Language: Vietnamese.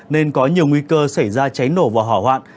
nên có nhiều nguy cơ xảy ra cháy nổ và hỏa hoạn